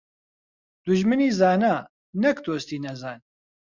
دوژمنی زانا، نەک دۆستی نەزان.